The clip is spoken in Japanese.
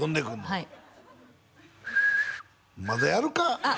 はいまだやるか？